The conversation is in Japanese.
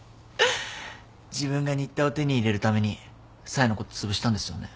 自分が新田を手に入れるために冴のことつぶしたんですよね？